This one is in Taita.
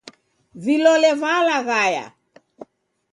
Vilole valaghaya.